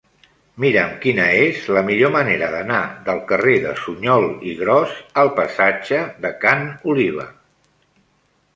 Mira'm quina és la millor manera d'anar del carrer de Suñol i Gros al passatge de Ca n'Oliva.